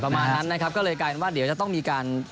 ประมาณนั้นนะครับเพราะรายงานว่าเดี๋ยวจะต้องมีการ